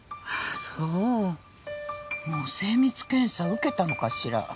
そうもう精密検査受けたのかしら？